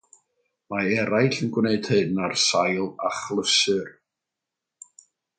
Mae eraill yn gwneud hyn ar sail achlysur.